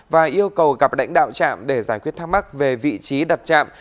và yêu cầu gặp lãnh đạo trạm để giải quyết thắc mắc về vị trí đặt trạm